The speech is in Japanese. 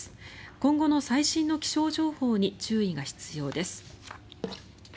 今後の最新の気象情報に注意が必要です。